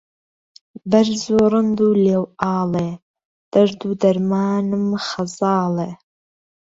بەرز و ڕند و ڵێوئاڵێ دەرد و دەرمانم خەزاڵێ